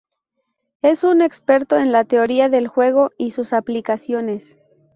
Es un experto en la teoría del juego y sus aplicaciones.